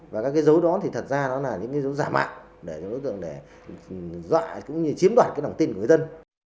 và các cái dấu đó thì thật ra nó là những cái dấu giả mạng để đối tượng đe dọa cũng như chiếm đoạt cái lòng tin của người dân